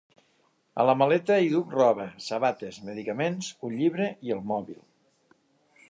A la maleta hi duc roba, sabates, medicaments, un llibre i el mòbil!